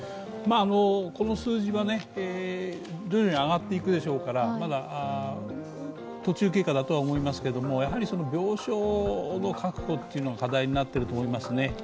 この数字は、徐々に上がっていくでしょうから、まだ途中経過だとは思いますけど病床の確保が課題になっていると思いますね。